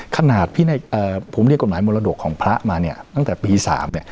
ขนาดผมเรียกกฎหมายมรดกของพระมาเนี่ยตั้งแต่ปี๓เนี่ย